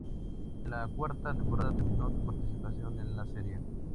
En la cuarta temporada terminó su participación en la serie.